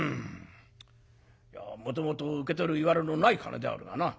いやもともと受け取るいわれのない金であるがな